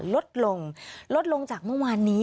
ลดลงลดลงจากเมื่อวานนี้